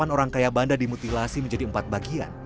delapan orang kaya banda dimutilasi menjadi empat bagian